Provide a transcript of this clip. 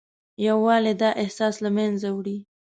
یووالی دا احساس له منځه وړي.